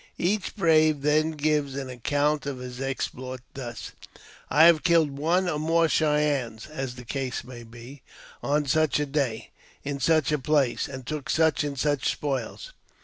Each brave then gives an account of his exploits thus :I killed one or more Cheyennes (as the case may be) on such a day, in such a place, and took such and such spoils.